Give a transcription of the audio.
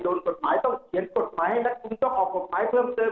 กฎหมายต้องเขียนกฎหมายให้รัฐคุณต้องออกกฎหมายเพิ่มเติม